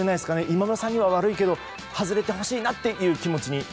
今村さんには悪いですけど外れてほしいなという気持ちに。